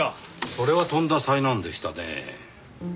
それはとんだ災難でしたねぇ。